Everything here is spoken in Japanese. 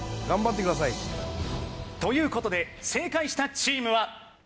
ということで正解したチームは。